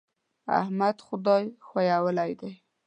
احمد خدای ښويولی دی.